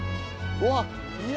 うわっ！